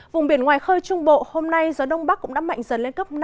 vùng biển ngoài khơi trung bộ hôm nay gió đông bắc cũng đã mạnh dần lên cấp năm